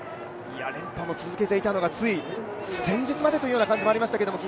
連覇も続けていたのが、つい先日までという感じもありましたけど。